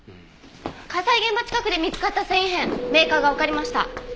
火災現場近くで見つかった繊維片メーカーがわかりました。